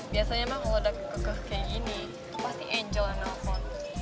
biasanya mah kalo udah kekekeh kayak gini pasti angel yang nelfon